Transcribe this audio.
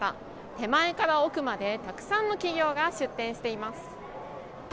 手前から奥までたくさんの企業が出展しています。